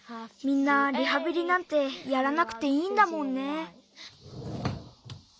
みんなリハビリなんてやらなくていいんだもんね。